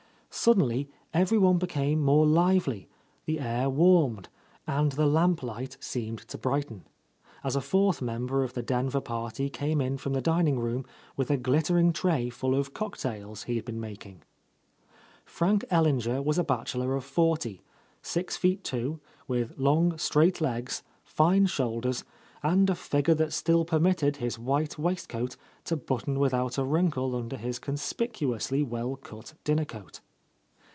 Suddenly everyone became more lively; the air warmed, and the lamplight seemed to brighten, as a fourth member of the Denver party came in from the dining room with a glittering tray full of cocktails he had been making. Frank Ellinger was a bachelor of forty, six feet two, with long straight legs, fine shoulders, and a figure that still permitted his white waistcoat to button with — 4 ?— A Lost Lady out a wrinkle under his conspicuously well cut dinner coat.